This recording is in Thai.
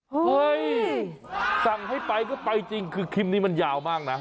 เฮ้ยสั่งให้ไปก็ไปจริงคือคลิปนี้มันยาวมากนะ